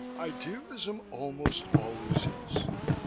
"Idealism almost always is.